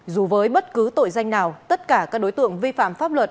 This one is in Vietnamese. dù với bất cứ tội danh nào tất cả các đối tượng vi phạm pháp luật